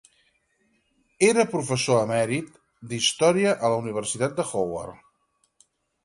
Era professor emèrit d'història a la Universitat de Howard.